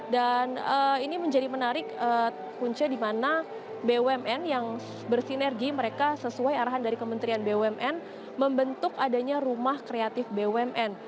dan ini menjadi menarik kunci di mana bumn yang bersinergi mereka sesuai arahan dari kementerian bumn membentuk adanya rumah kreatif bumn